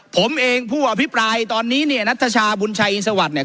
ผมเองผู้อภิปรายตอนนี้เนี่ยณัฐชาบุญชายีสวรรค์เนี่ย